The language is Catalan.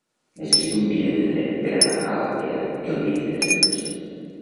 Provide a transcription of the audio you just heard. Necessito un bitllet de tren per anar a la Pera el vint-i-tres de maig.